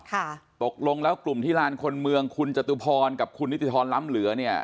ตกลงแล้วกลุ่มที่ลานคนเมืองคุณจตุพรกับคุณนิติธรรมล้ำเหลือเนี่ย